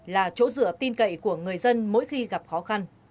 là chỗ dựa tin cậy của người dân mỗi khi gặp khó khăn